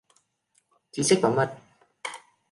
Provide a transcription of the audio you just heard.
Chính sách bảo mật